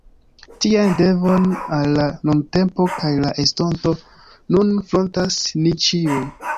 Tian devon, al la nuntempo kaj la estonto, nun frontas ni ĉiuj.